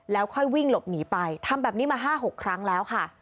แล้วค่อยวิ่งหลบหนีไปทำแบบนี้มา๕๖ครั้งแล้วค่ะ